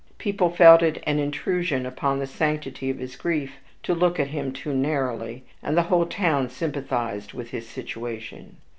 People felt it an intrusion upon the sanctity of his grief to look at him too narrowly, and the whole town sympathized with his situation.